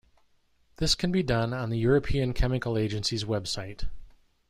This can be done on the European Chemicals Agency's website.